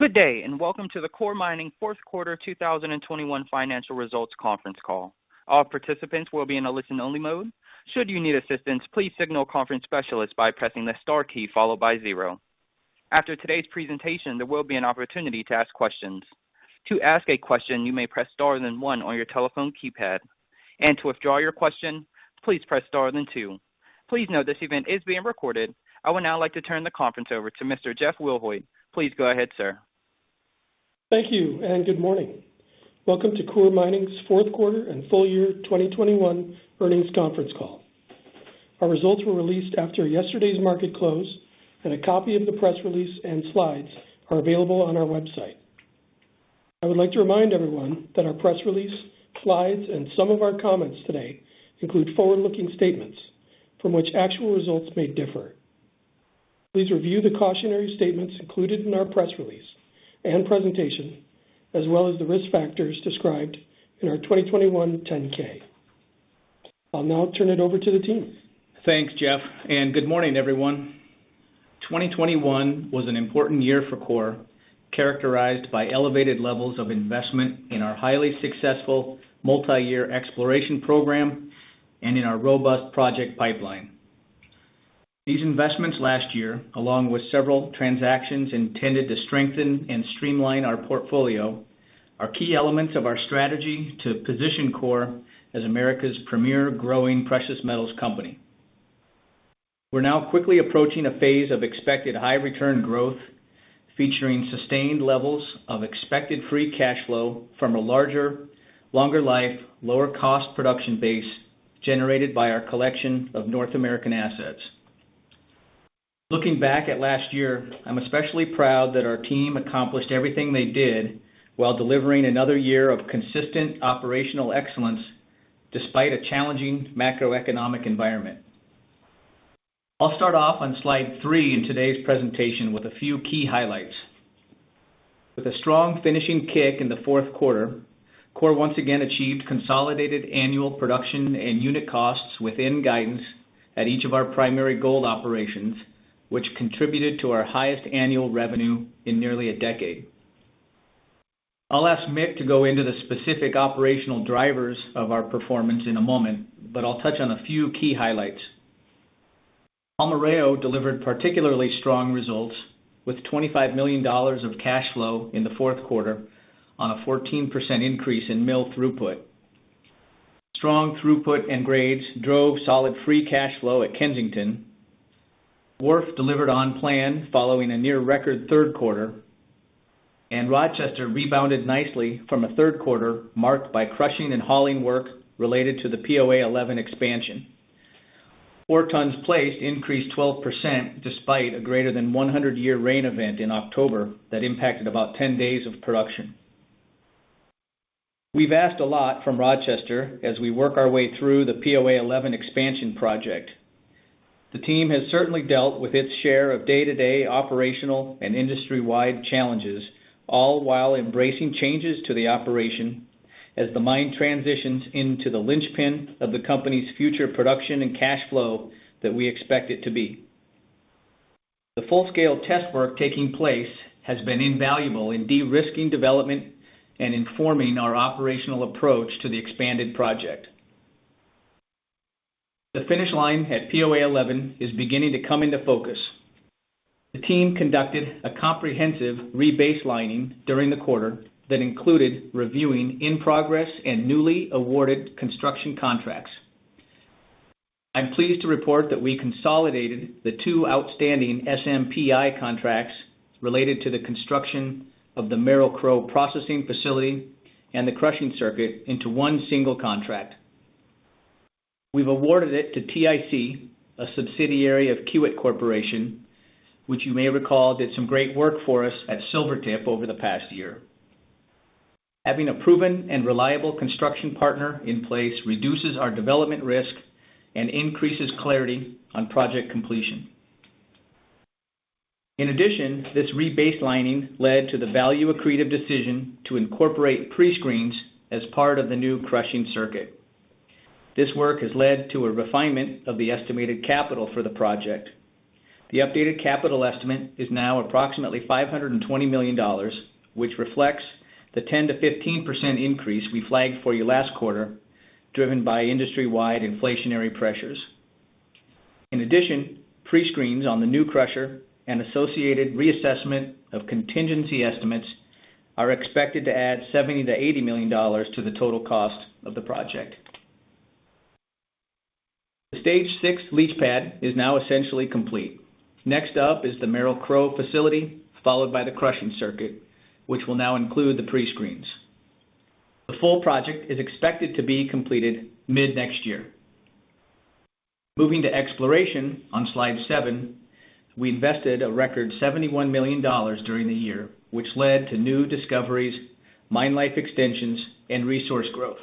Good day, and welcome to the Coeur Mining fourth quarter 2021 financial results conference call. All participants will be in a listen-only mode. Should you need assistance, please signal a conference specialist by pressing the star key followed by zero. After today's presentation, there will be an opportunity to ask questions. To ask a question, you may press star then one on your telephone keypad. To withdraw your question, please press star then two. Please note this event is being recorded. I would now like to turn the conference over to Mr. Jeff Wilhoit. Please go ahead, Sir. Thank you and good morning. Welcome to Coeur Mining's fourth quarter and full year 2021 earnings conference call. Our results were released after yesterday's market close, and a copy of the press release and slides are available on our website. I would like to remind everyone that our press release, slides, and some of our comments today include forward-looking statements from which actual results may differ. Please review the cautionary statements included in our press release and presentation, as well as the risk factors described in our 2021 10-K. I'll now turn it over to the team. Thanks, Jeff, and good morning, everyone. 2021 was an important year for Coeur, characterized by elevated levels of investment in our highly successful multi-year exploration program and in our robust project pipeline. These investments last year, along with several transactions intended to strengthen and streamline our portfolio, are key elements of our strategy to position Coeur as America's premier growing precious metals company. We're now quickly approaching a phase of expected high return growth, featuring sustained levels of expected free cash flow from a larger, longer life, lower cost production base generated by our collection of North American assets. Looking back at last year, I'm especially proud that our team accomplished everything they did while delivering another year of consistent operational excellence despite a challenging macroeconomic environment. I'll start off on slide three in today's presentation with a few key highlights. With a strong finishing kick in the fourth quarter, Coeur once again achieved consolidated annual production and unit costs within guidance at each of our primary gold operations, which contributed to our highest annual revenue in nearly a decade. I'll ask Mick to go into the specific operational drivers of our performance in a moment, but I'll touch on a few key highlights. Palmarejo delivered particularly strong results with $25 million of cash flow in the fourth quarter on a 14% increase in mill throughput. Strong throughput and grades drove solid free cash flow at Kensington. Wharf delivered on plan following a near record third quarter, and Rochester rebounded nicely from a third quarter marked by crushing and hauling work related to the POA11 expansion. Ore tons placed increased 12% despite a greater than 100-year rain event in October that impacted about 10 days of production. We've asked a lot from Rochester as we work our way through the POA11 expansion project. The team has certainly dealt with its share of day-to-day operational and industry-wide challenges, all while embracing changes to the operation as the mine transitions into the linchpin of the company's future production and cash flow that we expect it to be. The full-scale test work taking place has been invaluable in de-risking development and informing our operational approach to the expanded project. The finish line at POA11 is beginning to come into focus. The team conducted a comprehensive re-baselining during the quarter that included reviewing in-progress and newly awarded construction contracts. I'm pleased to report that we consolidated the two outstanding SMPEI contracts related to the construction of the Merrill-Crowe processing facility and the crushing circuit into one single contract. We've awarded it to TIC, a subsidiary of Kiewit Corporation, which you may recall did some great work for us at Silvertip over the past year. Having a proven and reliable construction partner in place reduces our development risk and increases clarity on project completion. In addition, this re-baselining led to the value accretive decision to incorporate pre-screens as part of the new crushing circuit. This work has led to a refinement of the estimated capital for the project. The updated capital estimate is now approximately $520 million, which reflects the 10%-15% increase we flagged for you last quarter, driven by industry-wide inflationary pressures. In addition, pre-screens on the new crusher and associated reassessment of contingency estimates are expected to add $70 million-$80 million to the total cost of the project. The Stage 6 leach pad is now essentially complete. Next up is the Merrill-Crowe facility, followed by the crushing circuit, which will now include the pre-screens. The full project is expected to be completed mid-next year. Moving to exploration on slide seven, we invested a record $71 million during the year, which led to new discoveries, mine life extensions, and resource growth.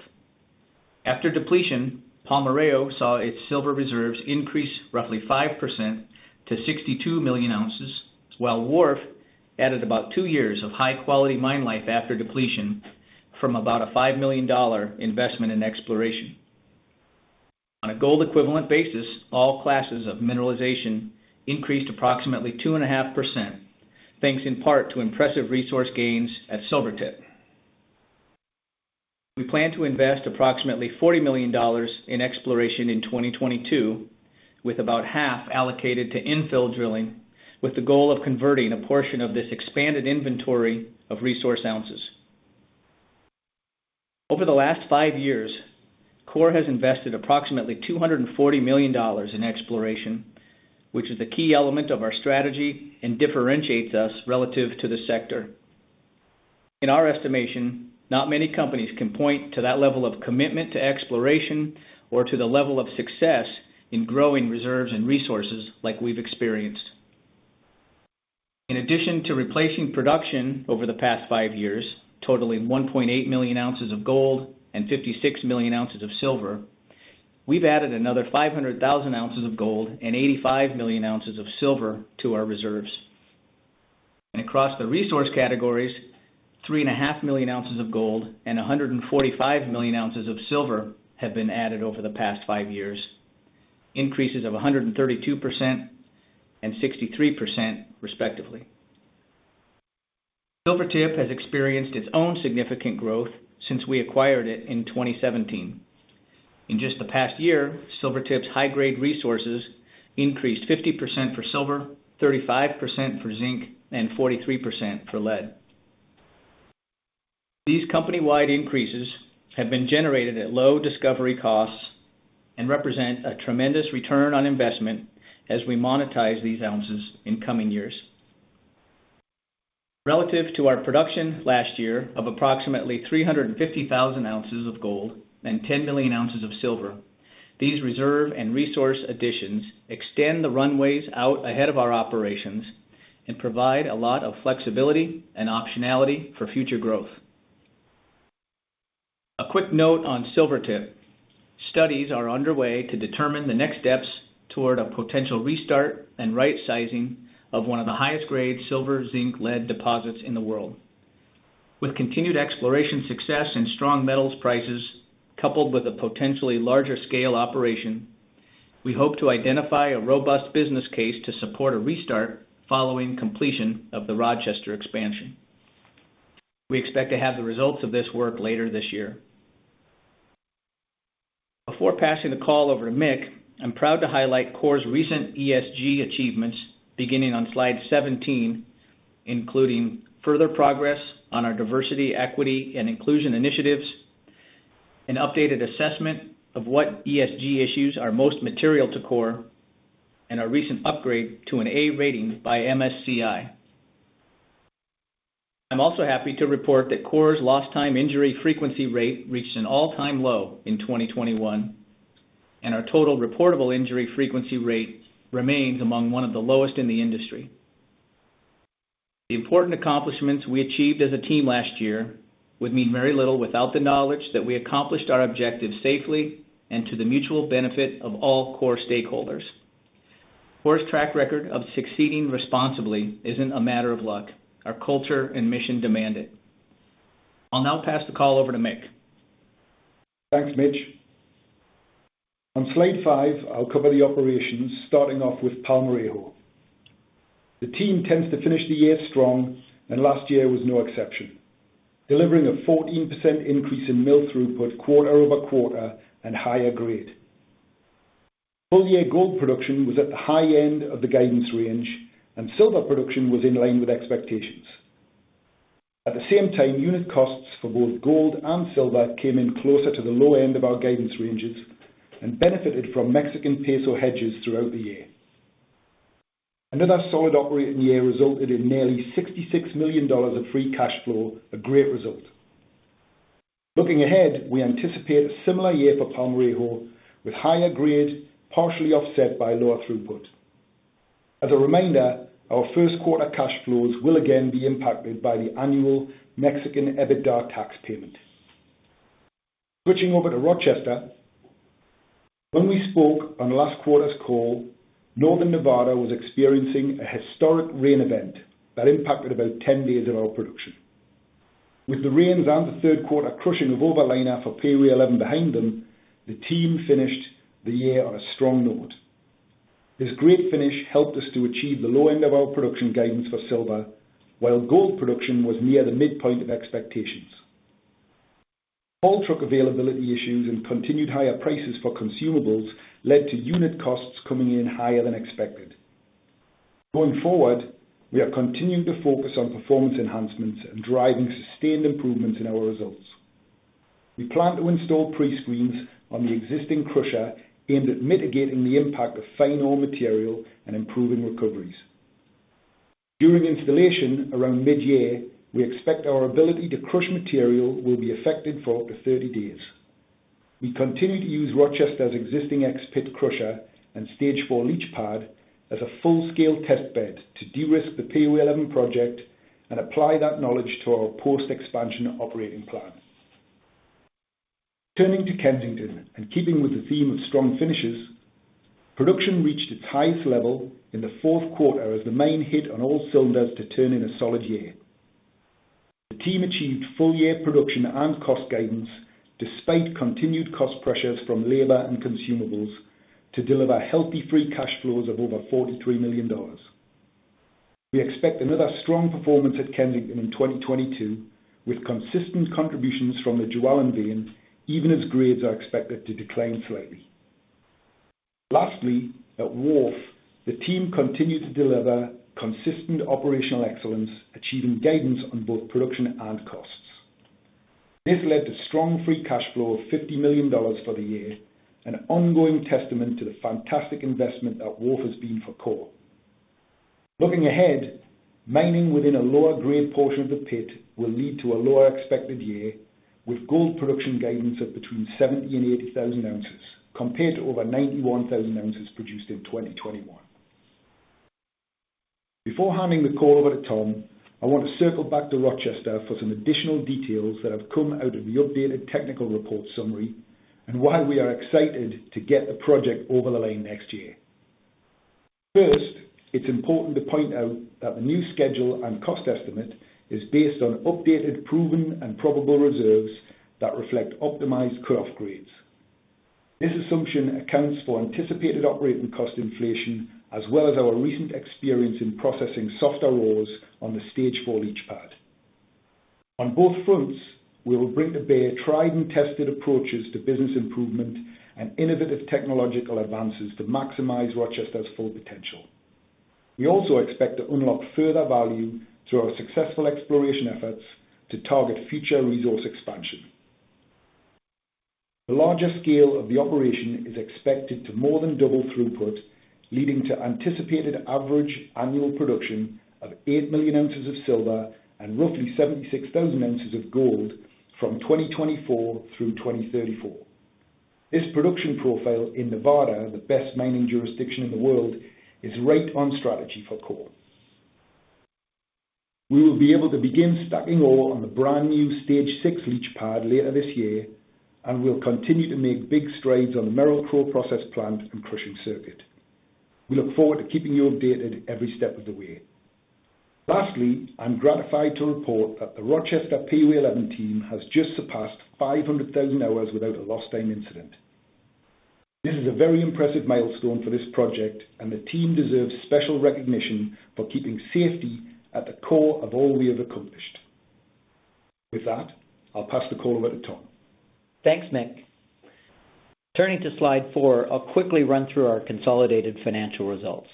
After depletion, Palmarejo saw its silver reserves increase roughly 5% to 62 million ounces, while Wharf added about two years of high-quality mine life after depletion from about a $5 million investment in exploration. On a gold equivalent basis, all classes of mineralization increased approximately 2.5%, thanks in part to impressive resource gains at Silvertip. We plan to invest approximately $40 million in exploration in 2022, with about half allocated to infill drilling, with the goal of converting a portion of this expanded inventory of resource ounces. Over the last five years, Coeur has invested approximately $240 million in exploration, which is the key element of our strategy and differentiates us relative to the sector. In our estimation, not many companies can point to that level of commitment to exploration or to the level of success in growing reserves and resources like we've experienced. In addition to replacing production over the past five years, totaling 1.8 million ounces of gold and 56 million ounces of silver, we've added another 500,000 ounces of gold and 85 million ounces of silver to our reserves. Across the resource categories, 3.5 million ounces of gold and 145 million ounces of silver have been added over the past five years. Increases of 132% and 63% respectively. Silvertip has experienced its own significant growth since we acquired it in 2017. In just the past year, Silvertip's high-grade resources increased 50% for silver, 35% for zinc, and 43% for lead. These company-wide increases have been generated at low discovery costs and represent a tremendous return on investment as we monetize these ounces in coming years. Relative to our production last year of approximately 350,000 ounces of gold and 10 million ounces of silver, these reserve and resource additions extend the runways out ahead of our operations and provide a lot of flexibility and optionality for future growth. A quick note on Silvertip. Studies are underway to determine the next steps toward a potential restart and right sizing of one of the highest grade silver zinc lead deposits in the world. With continued exploration success and strong metals prices, coupled with a potentially larger scale operation, we hope to identify a robust business case to support a restart following completion of the Rochester expansion. We expect to have the results of this work later this year. Before passing the call over to Mick, I'm proud to highlight Coeur's recent ESG achievements beginning on slide 17, including further progress on our diversity, equity and inclusion initiatives, an updated assessment of what ESG issues are most material to Coeur, and our recent upgrade to an A rating by MSCI. I'm also happy to report that Coeur's lost time injury frequency rate reached an all-time low in 2021, and our total reportable injury frequency rate remains among one of the lowest in the industry. The important accomplishments we achieved as a team last year would mean very little without the knowledge that we accomplished our objectives safely and to the mutual benefit of all Coeur stakeholders. Coeur's track record of succeeding responsibly isn't a matter of luck. Our culture and mission demand it. I'll now pass the call over to Mick. Thanks, Mitch. On slide five, I'll cover the operations starting off with Palmarejo. The team tends to finish the year strong, and last year was no exception, delivering a 14% increase in mill throughput quarter-over-quarter and higher grade. Full-year gold production was at the high end of the guidance range, and silver production was in line with expectations. At the same time, unit costs for both gold and silver came in closer to the low end of our guidance ranges and benefited from Mexican peso hedges throughout the year. Another solid operating year resulted in nearly $66 million of free cash flow, a great result. Looking ahead, we anticipate a similar year for Palmarejo with higher grade partially offset by lower throughput. As a reminder, our first quarter cash flows will again be impacted by the annual Mexican EBITDA tax payment. Switching over to Rochester. When we spoke on last quarter's call, Northern Nevada was experiencing a historic rain event that impacted about 10 days of our production. With the rains and the third quarter crushing of overline for POA11 behind them, the team finished the year on a strong note. This great finish helped us to achieve the low end of our production guidance for silver, while gold production was near the midpoint of expectations. Haul truck availability issues and continued higher prices for consumables led to unit costs coming in higher than expected. Going forward, we are continuing to focus on performance enhancements and driving sustained improvements in our results. We plan to install pre-screens on the existing crusher aimed at mitigating the impact of fine ore material and improving recoveries. During installation around mid-year, we expect our ability to crush material will be affected for up to 30 days. We continue to use Rochester's existing X-Pit crusher and Stage 4 leach pad as a full-scale test bed to de-risk the POA11 project and apply that knowledge to our post-expansion operating plan. Turning to Kensington and keeping with the theme of strong finishes, production reached its highest level in the fourth quarter as the mine hit on all cylinders to turn in a solid year. The team achieved full-year production and cost guidance despite continued cost pressures from labor and consumables to deliver healthy free cash flows of over $43 million. We expect another strong performance at Kensington in 2022, with consistent contributions from the Jualin vein, even as grades are expected to decline slightly. Lastly, at Wharf, the team continued to deliver consistent operational excellence, achieving guidance on both production and costs. This led to strong free cash flow of $50 million for the year, an ongoing testament to the fantastic investment that Wharf has been for Coeur. Looking ahead, mining within a lower grade portion of the pit will lead to a lower expected year, with gold production guidance of between 70,000 and 80,000 ounces, compared to over 91,000 ounces produced in 2021. Before handing the call over to Tom, I want to circle back to Rochester for some additional details that have come out of the updated technical report summary and why we are excited to get the project over the line next year. First, it's important to point out that the new schedule and cost estimate is based on updated proven and probable reserves that reflect optimized ore grades. This assumption accounts for anticipated operating cost inflation, as well as our recent experience in processing softer ores on the Stage 4 leach pad. On both fronts, we will bring to bear tried and tested approaches to business improvement and innovative technological advances to maximize Rochester's full potential. We also expect to unlock further value through our successful exploration efforts to target future resource expansion. The larger scale of the operation is expected to more than double throughput, leading to anticipated average annual production of 8 million ounces of silver and roughly 76,000 ounces of gold from 2024 through 2034. This production profile in Nevada, the best mining jurisdiction in the world, is right on strategy for Coeur. We will be able to begin stacking ore on the brand new Stage 6 leach pad later this year, and we'll continue to make big strides on the Merrill-Crowe process plant and crushing circuit. We look forward to keeping you updated every step of the way. Lastly, I'm gratified to report that the Rochester POA11 team has just surpassed 500,000 hours without a lost time incident. This is a very impressive milestone for this project, and the team deserves special recognition for keeping safety at the core of all we have accomplished. With that, I'll pass the call over to Tom. Thanks, Mick. Turning to slide four, I'll quickly run through our consolidated financial results.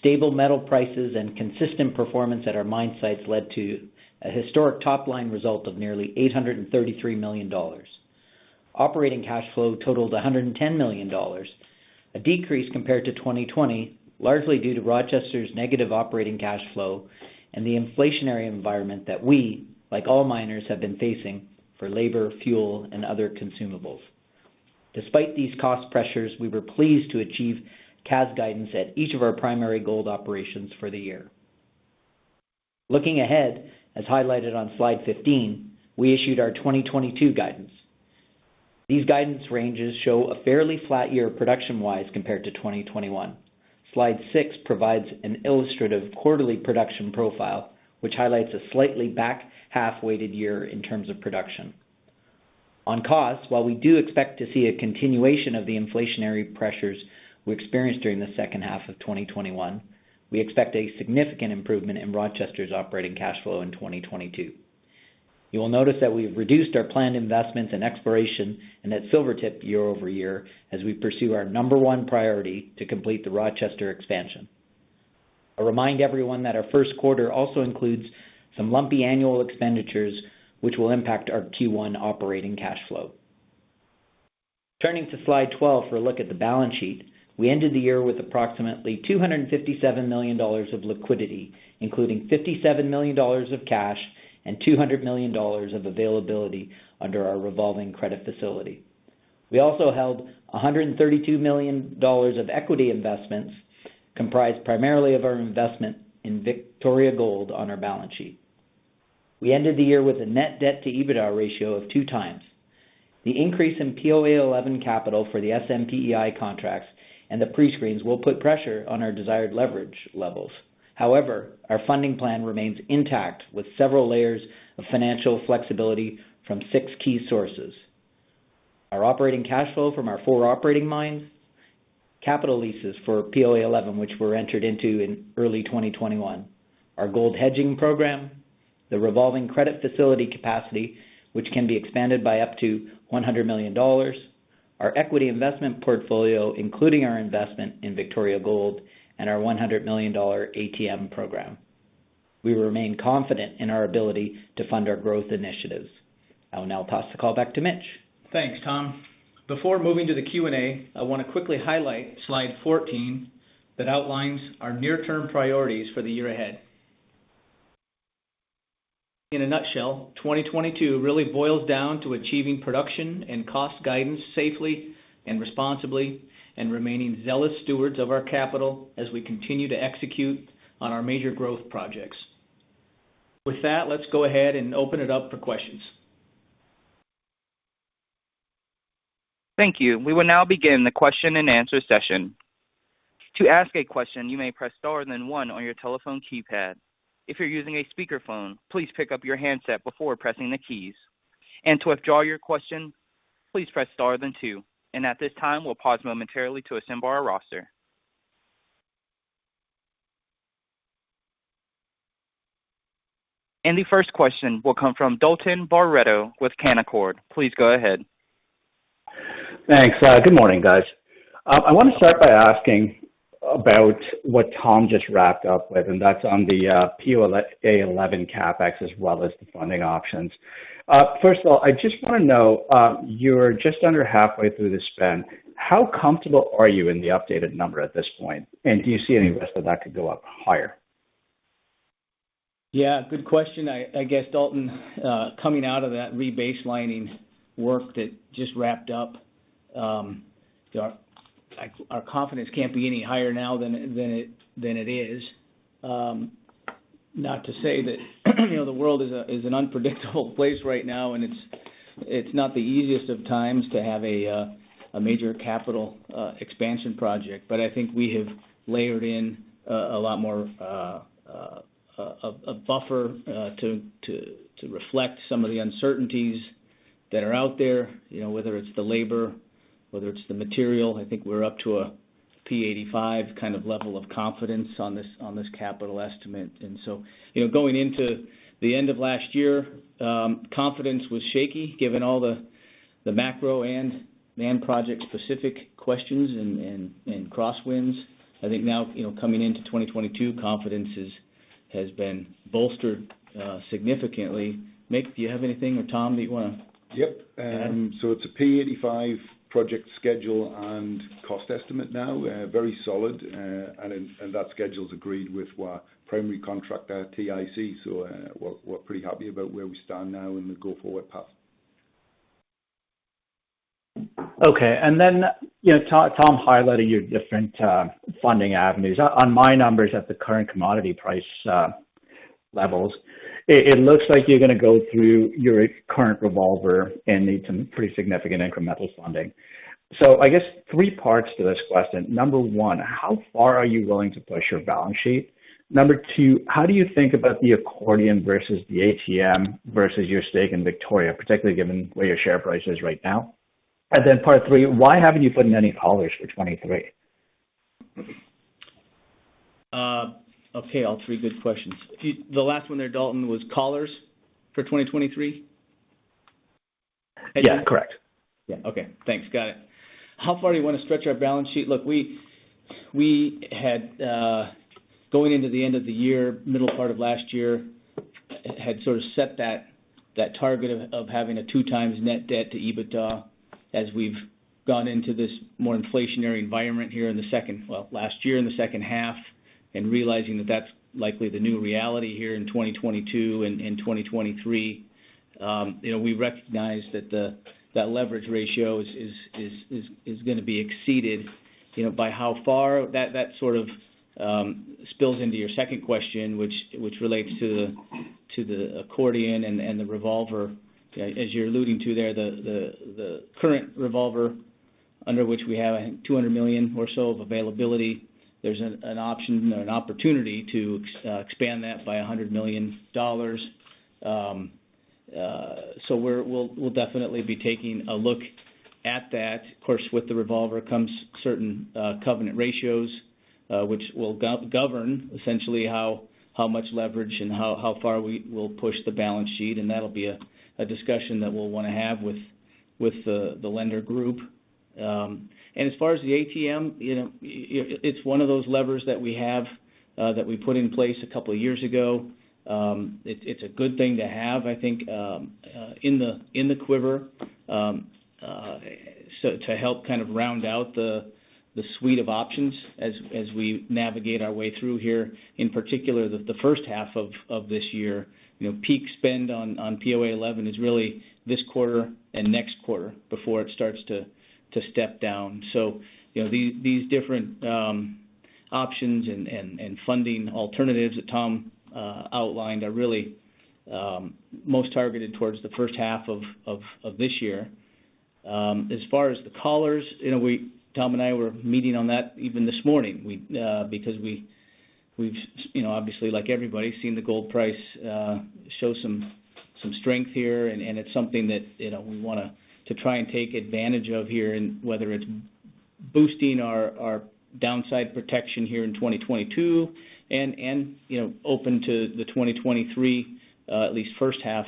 Stable metal prices and consistent performance at our mine sites led to a historic top-line result of nearly $833 million. Operating cash flow totaled $110 million, a decrease compared to 2020, largely due to Rochester's negative operating cash flow and the inflationary environment that we, like all miners, have been facing for labor, fuel, and other consumables. Despite these cost pressures, we were pleased to achieve CAS guidance at each of our primary gold operations for the year. Looking ahead, as highlighted on slide 15, we issued our 2022 guidance. These guidance ranges show a fairly flat year production-wise compared to 2021. Slide six provides an illustrative quarterly production profile, which highlights a slightly back half-weighted year in terms of production. On cost, while we do expect to see a continuation of the inflationary pressures we experienced during the second half of 2021, we expect a significant improvement in Rochester's operating cash flow in 2022. You will notice that we've reduced our planned investments in exploration and at Silvertip year over year as we pursue our number one priority to complete the Rochester expansion. I remind everyone that our first quarter also includes some lumpy annual expenditures, which will impact our Q1 operating cash flow. Turning to slide 12 for a look at the balance sheet, we ended the year with approximately $257 million of liquidity, including $57 million of cash and $200 million of availability under our revolving credit facility. We also held $132 million of equity investments, comprised primarily of our investment in Victoria Gold on our balance sheet. We ended the year with a net debt-to-EBITDA ratio of 2x. The increase in POA11 capital for the SMPEI contracts and the prescreens will put pressure on our desired leverage levels. However, our funding plan remains intact with several layers of financial flexibility from six key sources. Our operating cash flow from our four operating mines, capital leases for POA11, which were entered into in early 2021, our gold hedging program, the revolving credit facility capacity, which can be expanded by up to $100 million, our equity investment portfolio, including our investment in Victoria Gold, and our $100 million ATM program. We remain confident in our ability to fund our growth initiatives. I will now pass the call back to Mitch. Thanks, Tom. Before moving to the Q&A, I want to quickly highlight slide 14 that outlines our near-term priorities for the year ahead. In a nutshell, 2022 really boils down to achieving production and cost guidance safely and responsibly and remaining zealous stewards of our capital as we continue to execute on our major growth projects. With that, let's go ahead and open it up for questions. Thank you. We will now begin the question-and-answer session. To ask a question, you may press star then one on your telephone keypad. If you're using a speakerphone, please pick up your handset before pressing the keys. To withdraw your question, please press star then two. At this time, we'll pause momentarily to assemble our roster. The first question will come from Dalton Baretto with Canaccord. Please go ahead. Thanks. Good morning, guys. I want to start by asking about what Tom just wrapped up with, and that's on the POA11 CapEx as well as the funding options. First of all, I just want to know, you're just under halfway through the spend. How comfortable are you in the updated number at this point? And do you see any risk that could go up higher? Yes, good question. I guess, Dalton, coming out of that re-baselining work that just wrapped up, our, like, our confidence can't be any higher now than it is. Not to say that, you know, the world is an unpredictable place right now and it's not the easiest of times to have a major capital expansion project. I think we have layered in a lot more a buffer to reflect some of the uncertainties that are out there, you know, whether it's the labor, whether it's the material. I think we're up to a P85 kind of level of confidence on this capital estimate. You know, going into the end of last year, confidence was shaky given all the macro and mine project specific questions and crosswinds. I think now, you know, coming into 2022, confidence has been bolstered significantly. Mick, do you have anything or Tom, do you want to- Yep. Go ahead. It's a P85 project schedule and cost estimate now, very solid. That schedule's agreed with our primary contractor, TIC. We're pretty happy about where we stand now in the go forward path. Okay. You know, Tom highlighted your different funding avenues. On my numbers at the current commodity price levels, it looks like you're going to go through your current revolver and need some pretty significant incremental funding. I guess three parts to this question. Number one, how far are you willing to push your balance sheet? Number two, how do you think about the accordion versus the ATM versus your stake in Victoria, particularly given where your share price is right now? Part three, why haven't you put in any collars for 2023? Okay. All three good questions. The last one there, Dalton, was collars for 2023? Yes, correct. Yes. Okay, thanks. Got it. How far do you want to stretch our balance sheet? Look, we had going into the end of the year, middle part of last year, had sort of set that target of having a 2x net debt to EBITDA as we've gone into this more inflationary environment here in the second half last year, and realizing that that's likely the new reality here in 2022 and 2023. You know, we recognize that the leverage ratio is going to be exceeded, you know, by how far that sort of spills into your second question which relates to the accordion and the revolver. As you're alluding to there, the current revolver under which we have $200 million or so of availability, there's an option or an opportunity to expand that by $100 million. We'll definitely be taking a look at that. Of course, with the revolver comes certain covenant ratios, which will govern essentially how much leverage and how far we will push the balance sheet, and that'll be a discussion that we'll want to have with the lender group. As far as the ATM, you know, it's one of those levers that we have that we put in place a couple years ago. It's a good thing to have, I think, in the quiver, so to help kind of round out the suite of options as we navigate our way through here, in particular, the first half of this year. You know, peak spend on POA11 is really this quarter and next quarter before it starts to step down. You know, these different options and funding alternatives that Tom outlined are really most targeted towards the first half of this year. As far as the collars, you know, we, Tom and I were meeting on that even this morning. Because we've you know, obviously like everybody, seen the gold price show some strength here and it's something that you know, we want to try and take advantage of here, and whether it's boosting our downside protection here in 2022 and you know, open to 2023, at least first half,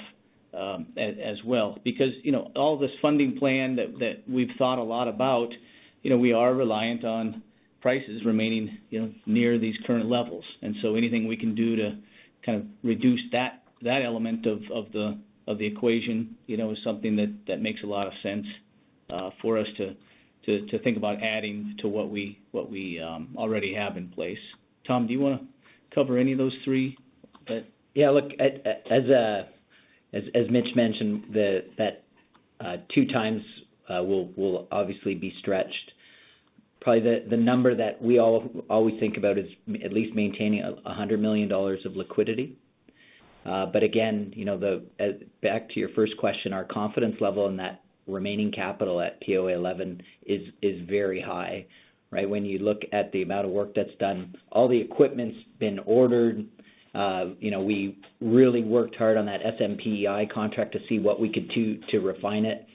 as well. Because you know, all this funding plan that we've thought a lot about you know, we are reliant on prices remaining you know, near these current levels. Anything we can do to kind of reduce that element of the equation you know, is something that makes a lot of sense for us to think about adding to what we already have in place. Tom, do you want to cover any of those three? Yes, look, as Mitch mentioned, that 2x will obviously be stretched. Probably the number that we all always think about is at least maintaining $100 million of liquidity. But again, you know, the back to your first question, our confidence level in that remaining capital at POA11 is very high, right? When you look at the amount of work that's done, all the equipment's been ordered. You know, we really worked hard on that SMPEI contract to see what we could do to refine it.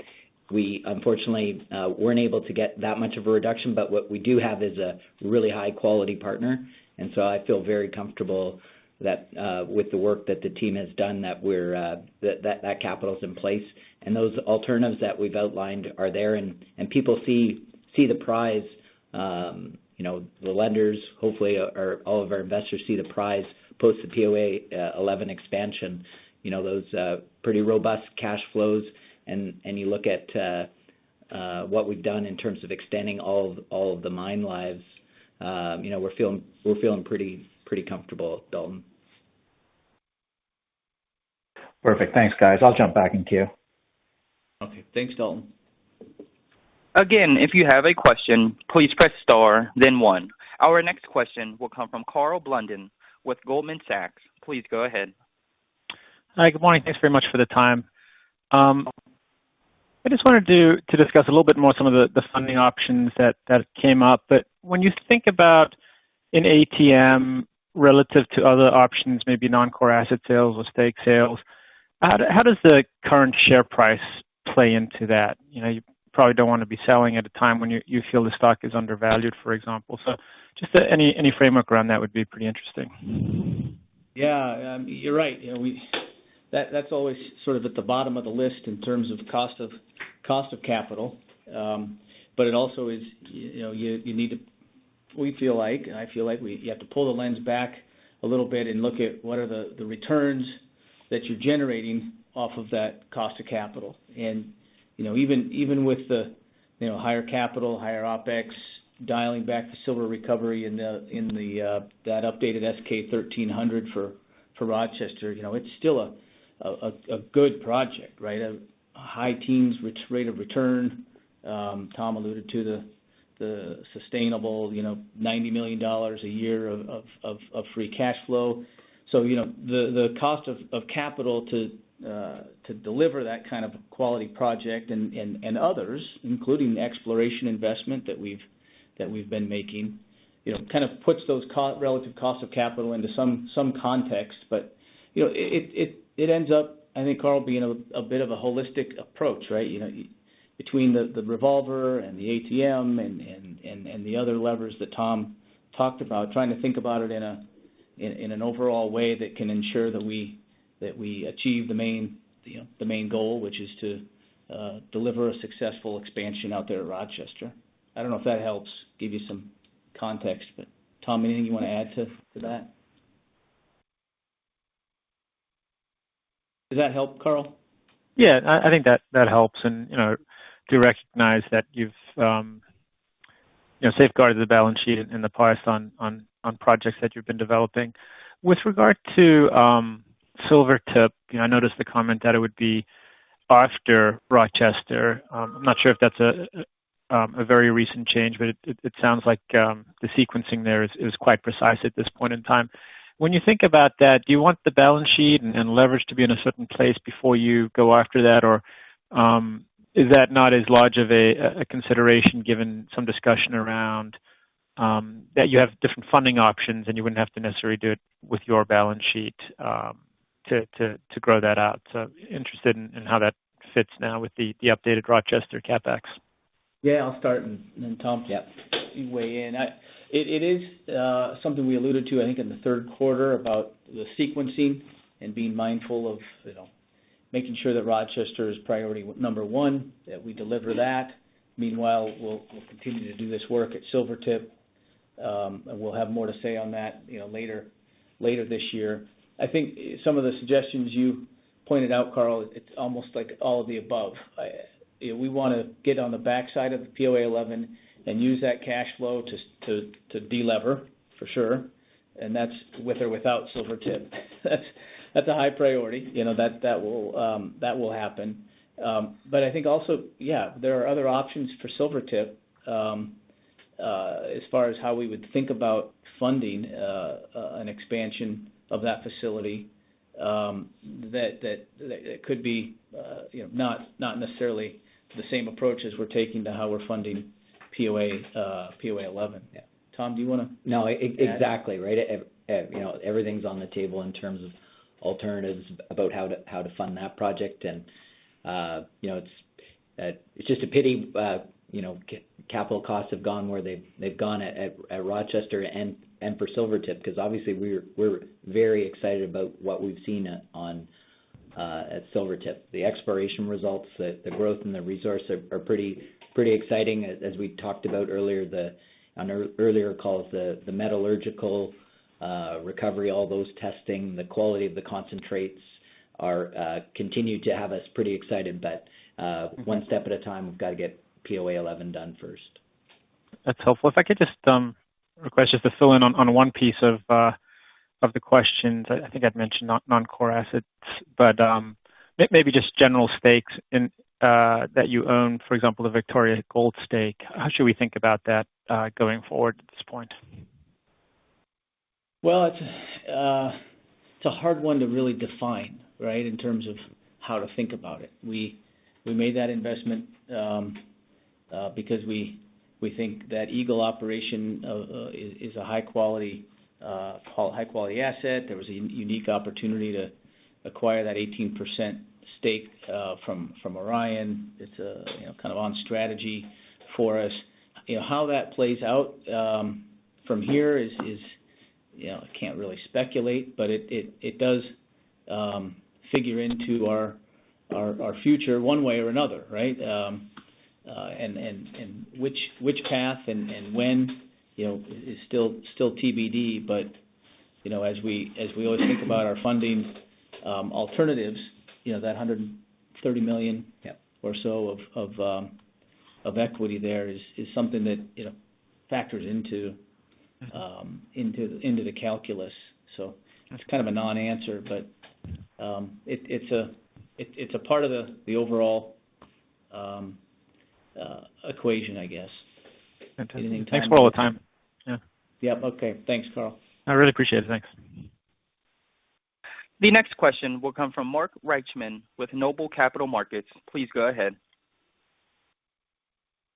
We unfortunately weren't able to get that much of a reduction, but what we do have is a really high-quality partner. I feel very comfortable that with the work that the team has done, that we're that capital is in place. Those alternatives that we've outlined are there, and people see the prize, you know, the lenders, hopefully, or all of our investors see the prize post the POA11 expansion. You know, those pretty robust cash flows. You look at what we've done in terms of extending all of the mine lives, you know, we're feeling pretty comfortable, Dalton. Perfect. Thanks, guys. I'll jump back in queue. Okay. Thanks, Dalton. Again, if you have a question, please press Star, then one. Our next question will come from Karl Blunden with Goldman Sachs. Please go ahead. Hi. Good morning. Thanks very much for the time. I just wanted to discuss a little bit more some of the funding options that came up. When you think about an ATM relative to other options, maybe non-core asset sales or stake sales, how does the current share price play into that? You know, you probably don't want to be selling at a time when you feel the stock is undervalued, for example. Just any framework around that would be pretty interesting. Yes, you're right. You know, that's always sort of at the bottom of the list in terms of cost of capital. It also is. You know, you need to. We feel like you have to pull the lens back a little bit and look at what are the returns that you're generating off of that cost of capital. You know, even with the higher capital, higher OpEx, dialing back the silver recovery in that updated S-K 1300 for Rochester, you know, it's still a good project, right? A high teens rate of return. Tom alluded to the sustainable $90 million a year of free cash flow. You know, the cost of capital to deliver that kind of quality project and others, including the exploration investment that we've been making, you know, kind of puts those relative costs of capital into some context. It ends up, I think, Karl, being a bit of a holistic approach, right? You know, between the revolver and the ATM and the other levers that Tom talked about, trying to think about it in an overall way that can ensure that we achieve the main goal, which is to deliver a successful expansion out there at Rochester. I don't know if that helps give you some context. Tom, anything do you want to add to that? Does that help, Karl? Yes, I think that helps. You know, do recognize that you've, you know, safeguarded the balance sheet and the price on projects that you've been developing. With regard to Silvertip, you know, I noticed the comment that it would be after Rochester. I'm not sure if that's a very recent change, but it sounds like the sequencing there is quite precise at this point in time. When you think about that, do you want the balance sheet and leverage to be in a certain place before you go after that? Is that not as large of a consideration given some discussion around that you have different funding options, and you wouldn't have to necessarily do it with your balance sheet to grow that out. Interested in how that fits now with the updated Rochester CapEx. Yes, I'll start, and then Tom. Yes. You weigh in. It is something we alluded to, I think, in the third quarter about the sequencing and being mindful of, you know, making sure that Rochester is priority number one, that we deliver that. Meanwhile, we'll continue to do this work at Silvertip. And we'll have more to say on that, you know, later this year. I think some of the suggestions you pointed out, Karl, it's almost like all of the above. You know, we want to get on the backside of the POA11 and use that cash flow to de-lever, for sure. That's with or without Silvertip. That's a high priority. You know, that will happen. I think also, yes, there are other options for Silvertip, as far as how we would think about funding an expansion of that facility, that could be, you know, not necessarily the same approach as we're taking to how we're funding POA11. Yes. Tom, do you want to- No. Exactly, right? You know, everything's on the table in terms of alternatives about how to fund that project. It's just a pity, you know, capital costs have gone where they've gone at Rochester and for Silvertip, because obviously we're very excited about what we've seen at Silvertip. The exploration results, the growth and the resource are pretty exciting. As we talked about earlier-on-earlier calls, the metallurgical recovery, all those testing, the quality of the concentrates continue to have us pretty excited. One step at a time. We've got to get POA11 done first. That's helpful. If I could just request just to fill in on one piece of the questions. I think I'd mentioned non-core assets, but maybe just general stakes in that you own, for example, the Victoria Gold stake. How should we think about that going forward at this point? Well, it's a hard one to really define, right? In terms of how to think about it. We made that investment because we think that Eagle operation is a high-quality asset. There was a unique opportunity to acquire that 18% stake from Orion. It's kind of on strategy for us. You know, how that plays out from here is, you know, I can't really speculate. It does figure into our future one way or another, right? Which path and when, you know, is still TBD. You know, as we always think about our funding alternatives, you know, that $130 million or so of equity there is something that, you know, factors into the calculus. That's kind of a non-answer, but it's a part of the overall equation, I guess. Fantastic. Anything- Thanks for all the time. Yes. Yep. Okay. Thanks, Karl. I really appreciate it. Thanks. The next question will come from Mark Reichman with Noble Capital Markets. Please go ahead.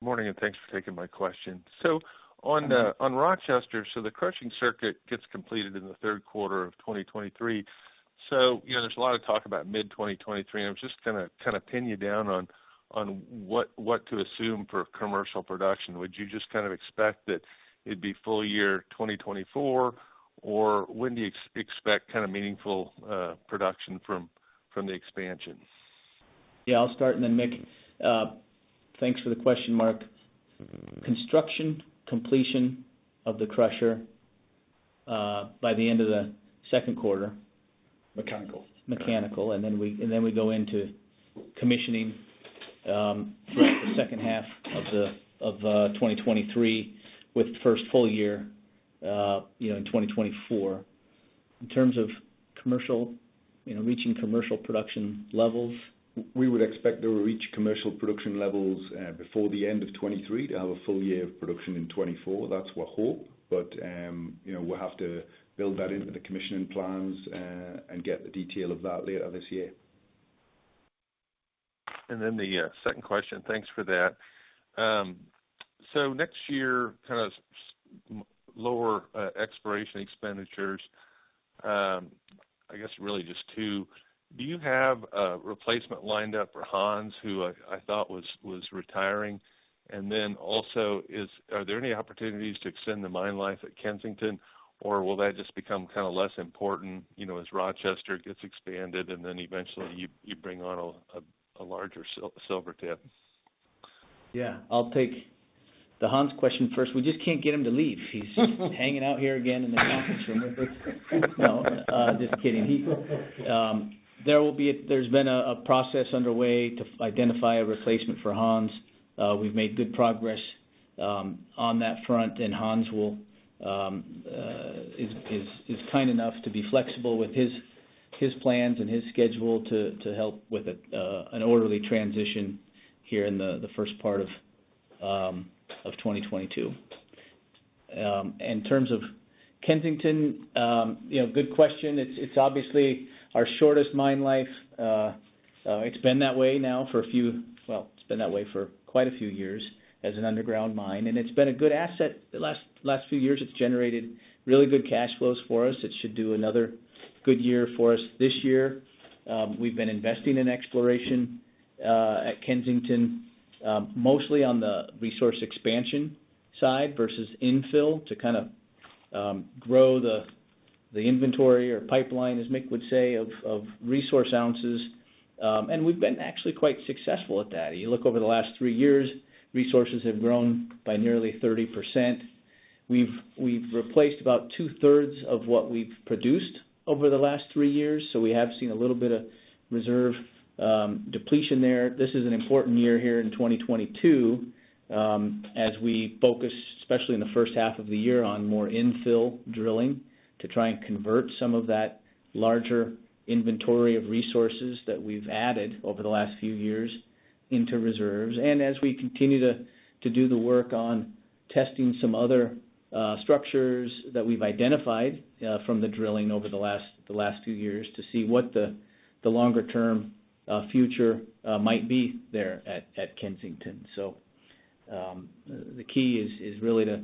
Morning, thanks for taking my question. On Rochester, the crushing circuit gets completed in the third quarter of 2023. You know, there's a lot of talk about mid-2023, and I was just going to kind of pin you down on what to assume for commercial production. Would you just kind of expect that it'd be full year 2024? Or when do you expect kind of meaningful production from the expansion? Yes, I'll start and then Mick. Thanks for the question, Mark. Construction completion of the crusher by the end of the second quarter. Mechanical. Mechanical. Then we go into commissioning throughout the second half of 2023 with the first full year in 2024. In terms of commercial you know reaching commercial production levels. We would expect to reach commercial production levels before the end of 2023 to have a full year of production in 2024. That's our hope. You know, we'll have to build that into the commissioning plans, and get the detail of that later this year. Then the second question. Thanks for that. So next year, kind of somewhat lower exploration expenditures, I guess really just two. Do you have a replacement lined up for Hans, who I thought was retiring? Then also, are there any opportunities to extend the mine life at Kensington? Or will that just become kind of less important, you know, as Rochester gets expanded and then eventually you bring on a larger Silvertip? Yeah. I'll take the Hans question first. We just can't get him to leave. He's just hanging out here again in the conference room with us. No. Just kidding. There's been a process underway to identify a replacement for Hans. We've made good progress on that front, and Hans is kind enough to be flexible with his plans and his schedule to help with an orderly transition here in the first part of 2022. In terms of Kensington, you know, good question. It's obviously our shortest mine life. It's been that way for quite a few years as an underground mine, and it's been a good asset. The last few years, it's generated really good cash flows for us. It should do another good year for us this year. We've been investing in exploration at Kensington, mostly on the resource expansion side versus infill to kind of grow the inventory or pipeline, as Mick would say, of resource ounces. We've been actually quite successful at that. You look over the last three years. Resources have grown by nearly 30%. We've replaced about 2/3 of what we've produced over the last three years, so we have seen a little bit of reserve depletion there. This is an important year here in 2022, as we focus, especially in the first half of the year, on more infill drilling to try and convert some of that larger inventory of resources that we've added over the last few years into reserves. As we continue to do the work on testing some other structures that we've identified from the drilling over the last few years to see what the longer term future might be there at Kensington. The key is really to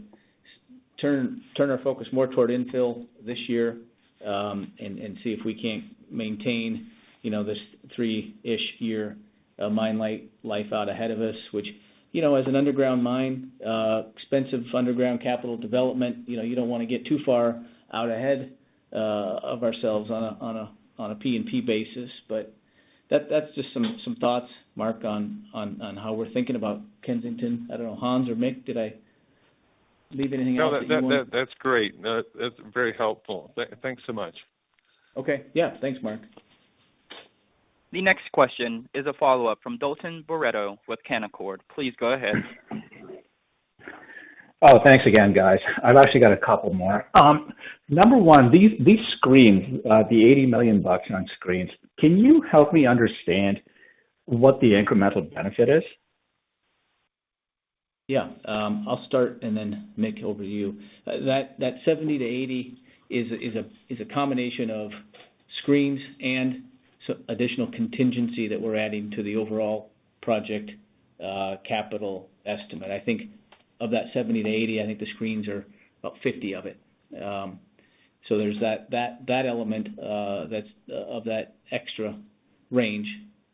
turn our focus more toward infill this year, and see if we can't maintain, you know, this three-ish year mine life out ahead of us. Which, you know, as an underground mine, expensive underground capital development, you know, you don't want to get too far out ahead of ourselves on a P&P basis. That's just some thoughts, Mark, on how we're thinking about Kensington. I don't know, Hans or Mick, did I leave anything out that you want? No. That's great. No. That's very helpful. Thanks so much. Okay. Yeah. Thanks, Mark. The next question is a follow-up from Dalton Baretto with Canaccord. Please go ahead. Oh, thanks again, guys. I've actually got a couple more. Number one, these screens, the $80 million on screens, can you help me understand what the incremental benefit is? Yes. I'll start and then Mick over to you. That 70-80 is a combination of screens and additional contingency that we're adding to the overall project capital estimate. I think of that 70-80, I think the screens are about $50 of it. So, there's that element that's of that extra range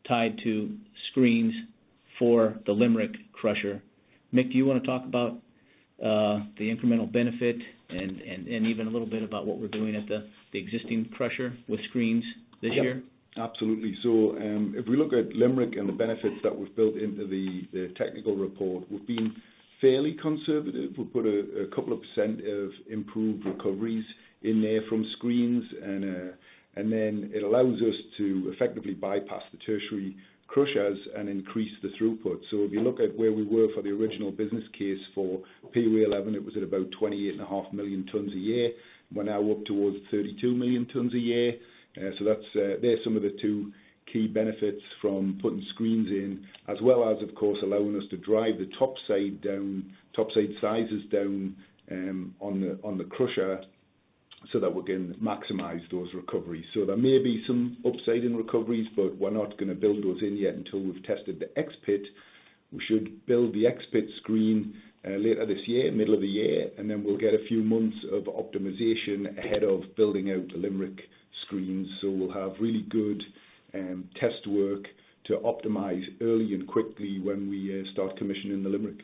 tied to screens for the Limerick crusher. Mick, do you want to talk about the incremental benefit and even a little bit about what we're doing at the existing crusher with screens this year? Yep, absolutely. If we look at Limerick and the benefits that were built into the technical report, we're being fairly conservative. We put a couple of percent of improved recoveries in there from screens and then it allows us to effectively bypass the tertiary crushers and increase the throughput. If you look at where we were for the original business case for POA11, it was at about 28.5 million tons a year. We're now up towards 32 million tons a year. That's two of the key benefits from putting screens in, as well as, of course, allowing us to drive the top size down, top sizes down, on the crusher so that we can maximize those recoveries. There may be some upside in recoveries, but we're not going to build those in yet until we've tested the X-Pit. We should build the X-Pit screen later this year, middle of the year, and then we'll get a few months of optimization ahead of building out the Limerick screens. We'll have really good test work to optimize early and quickly when we start commissioning the Limerick.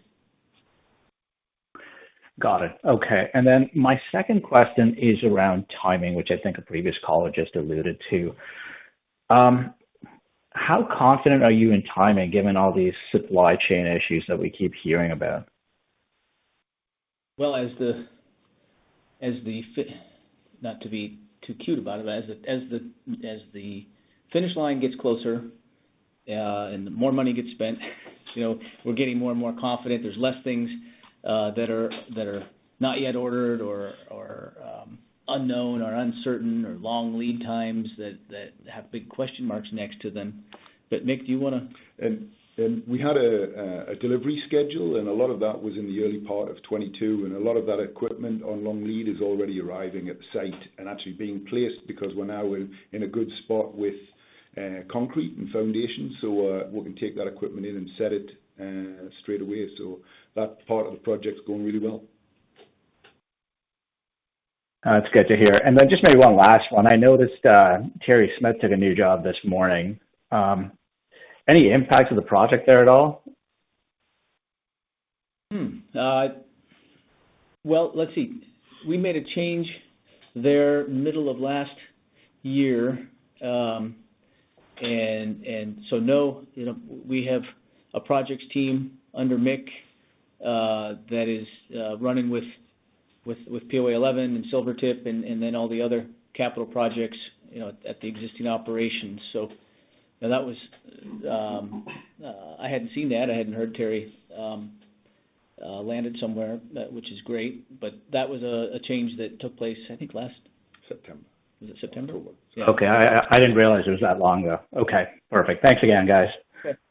Got it. Okay. My second question is around timing, which I think a previous caller just alluded to. How confident are you in timing, given all these supply chain issues that we keep hearing about? Well, not to be too cute about it, but as the finish line gets closer, and the more money gets spent, you know, we're getting more and more confident. There's less things that are not yet ordered or unknown or uncertain or long lead times that have big question marks next to them. Mick, do you want to? We had a delivery schedule, and a lot of that was in the early part of 2022, and a lot of that equipment on long lead is already arriving at the site and actually being placed because we're now in a good spot with concrete and foundation. We can take that equipment in and set it straight away. That part of the project's going really well. That's good to hear. Just maybe one last one. I noticed Terry Smith took a new job this morning. Any impact to the project there at all? Well, let's see. We made a change in the middle of last year, and so no, you know, we have a projects team under Mick that is running with POA11 and Silvertip and then all the other capital projects, you know, at the existing operations. That was. I hadn't seen that. I hadn't heard Terry landed somewhere, which is great, but that was a change that took place, I think, last- September. Was it September? Yes. Okay. I didn't realize it was that long ago. Okay, perfect. Thanks again, guys.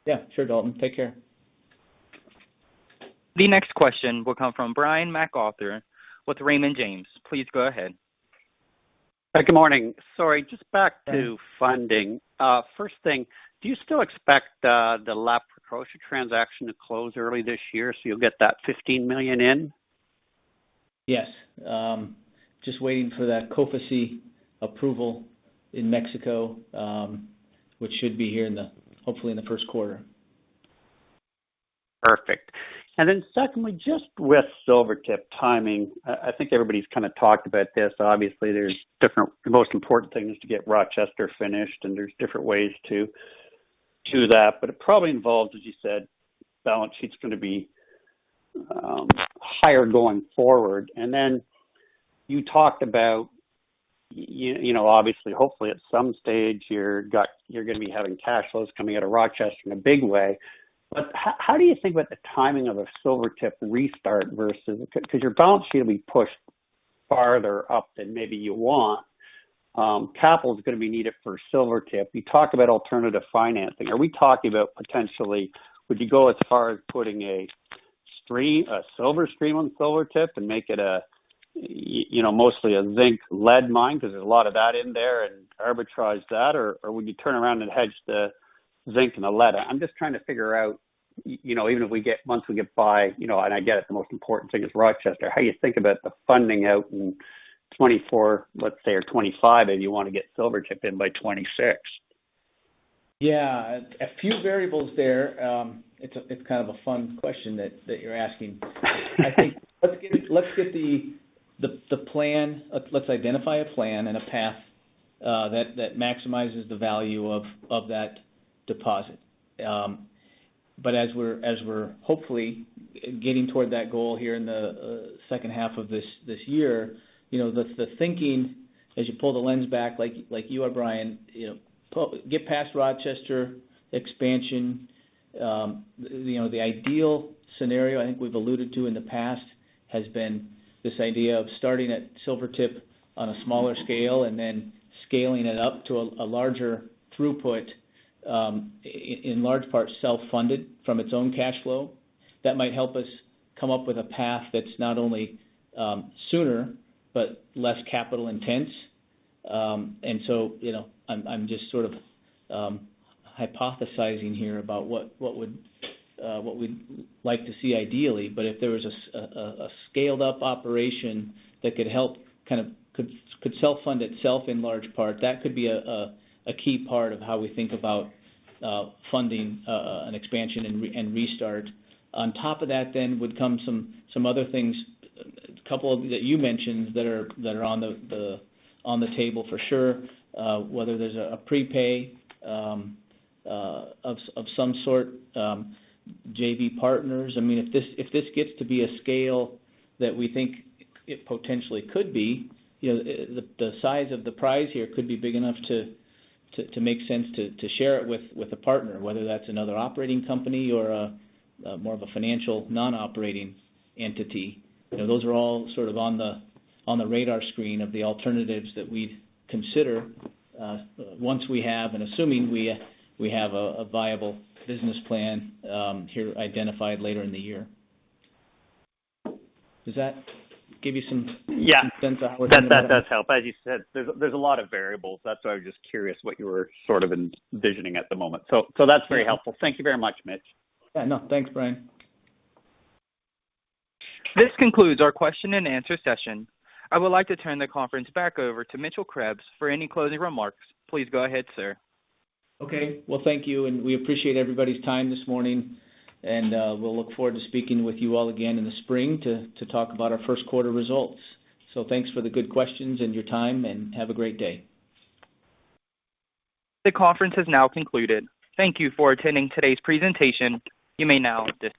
Yes. Sure, Dalton. Take care. The next question will come from Brian MacArthur with Raymond James. Please go ahead. Good morning. Sorry, just back to funding. First thing, do you still expect the La Preciosa transaction to close early this year, so you'll get that $15 million in? Yes. Just waiting for that COFECE approval in Mexico, which should be here, hopefully, in the first quarter. Perfect. Secondly, just with Silvertip timing, I think everybody's kind of talked about this. The most important thing is to get Rochester finished, and there's different ways to that. It probably involves, as you said, balance sheet's going to be higher going forward. You talked about, you know, obviously, hopefully at some stage, you're going to be having cash flows coming out of Rochester in a big way. How do you think about the timing of a Silvertip restart versus. Because your balance sheet will be pushed farther up than maybe you want. Capital's going to be needed for Silvertip. You talk about alternative financing. Are we talking about potentially, would you go as far as putting a stream, a silver stream on Silvertip and make it a, you know, mostly a zinc lead mine, because there's a lot of that in there and arbitrage that? Or would you turn around and hedge the zinc and the lead? I'm just trying to figure out, you know, once we get by, you know, and I get it, the most important thing is Rochester, how you think about the funding out in 2024, let's say, or 2025, and you want to get Silvertip in by 2026? Yeah. A few variables there. It's kind of a fun question that you're asking. I think let's identify a plan and a path that maximizes the value of that deposit. As we're hopefully getting toward that goal here in the second half of this year. You know, the thinking as you pull the lens back, like you are, Brian, you know, get past Rochester expansion. You know, the ideal scenario I think we've alluded to in the past has been this idea of starting at Silvertip on a smaller scale and then scaling it up to a larger throughput, in large part self-funded from its own cash flow. That might help us come up with a path that's not only sooner but less capital intense. You know, I'm just sort of hypothesizing here about what we'd like to see ideally. If there was a scaled-up operation that could self-fund itself in large part, that could be a key part of how we think about funding an expansion and restart. On top of that would come some other things, a couple of those you mentioned that are on the table for sure. Whether there's a prepay of some sort, JV partners. I mean, if this gets to be a scale that we think it potentially could be, you know, the size of the prize here could be big enough to make sense to share it with a partner, whether that's another operating company or more of a financial non-operating entity. You know, those are all sort of on the radar screen of the alternatives that we'd consider once we have, and assuming we have a viable business plan here identified later in the year. Does that give you some- Yes.... some sense of how we're thinking? That does help. As you said, there's a lot of variables. That's why I was just curious what you were sort of envisioning at the moment. That's very helpful. Thank you very much, Mitch. Yes, no. Thanks, Brian. This concludes our question and answer session. I would like to turn the conference back over to Mitchell Krebs for any closing remarks. Please go ahead, Sir. Okay. Well, thank you, and we appreciate everybody's time this morning, and we'll look forward to speaking with you all again in the spring to talk about our first quarter results. Thanks for the good questions and your time, and have a great day. The conference has now concluded. Thank you for attending today's presentation. You may now disconnect.